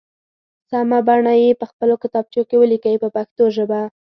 سمه بڼه یې په خپلو کتابچو کې ولیکئ په پښتو ژبه.